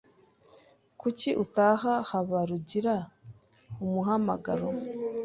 Kuki utaha Habarugira umuhamagaro?